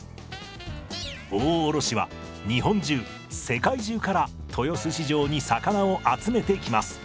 大卸は日本中・世界中から豊洲市場に魚を集めてきます。